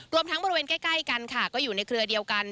รวมทั้งบริเวณใกล้กันค่ะก็อยู่ในเครือเดียวกัน